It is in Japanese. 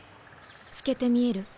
透けて見える？